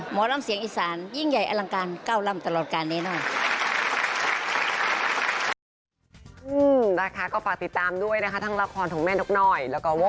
หมอลำเสียงอีสานยิ่งใหญ่อลังการก้าวร่ำตลอดการแน่นอน